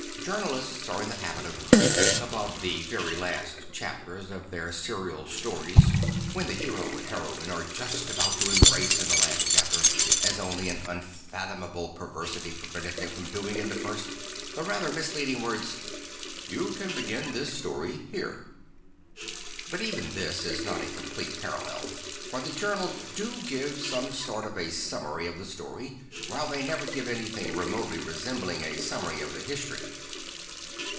Journalists are in the habit of printing above the very last chapters of their serial stories (when the hero and heroine are just about to embrace in the last chapter, as only an unfathomable perversity prevented them from doing in the first) the rather misleading words, U You can begin this story here." But even this is not a complete parallel; for the journals do give some sort of a summary of the story, while they never give anything remotely resembling a summary of the history.